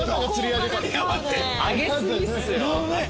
上げ過ぎっすよ。